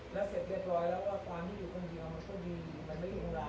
แล้วเรียบร้อยแล้วความที่อยู่คนเดียวมันก็ดีมันไม่ลงลาย